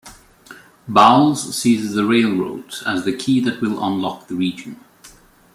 Bowles sees the railroads as the key that will unlock the region.